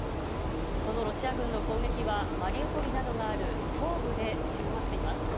そのロシア軍の攻撃はマリウポリなどがある東部で強まっています。